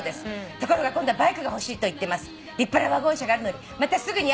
「ところが今度はバイクが欲しいと言ってます」「立派なワゴン車があるのにまたすぐに飽きてしまうくせに」